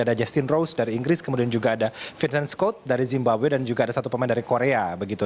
ada justin rose dari inggris kemudian juga ada vincent scott dari zimbaway dan juga ada satu pemain dari korea begitu